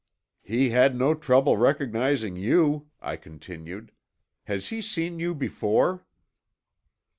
"He had no trouble recognizing you," I continued. "Has he seen you before?"